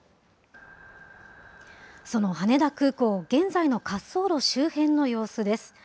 その羽田空港、現在の滑走路周辺の様子です。